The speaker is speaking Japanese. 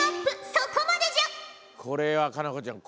そこまでじゃ！